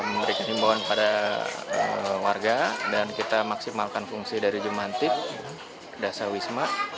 memberikan imbon pada warga dan kita maksimalkan fungsi dari jemantik dasar wisma